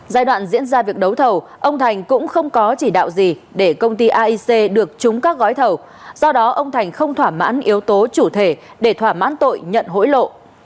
giai đoạn diễn ra việc đấu thầu ông thành cũng không có chỉ đạo gì để công ty aic được trúng các gói thầu do đó ông thành không thỏa mãn yếu tố chủ thể để thỏa mãn tội nhận hối lộ